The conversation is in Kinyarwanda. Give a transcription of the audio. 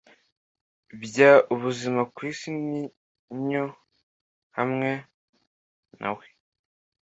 Bya ubuzima ku isi ninyo hamwe na we